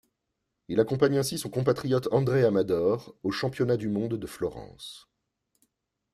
Il accompagne ainsi son compatriote Andrey Amador aux Championnats du monde de Florence.